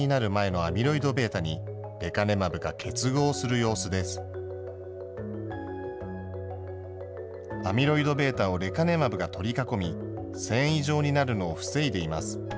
アミロイドβをレカネマブが取り囲み、繊維状になるのを防いでいます。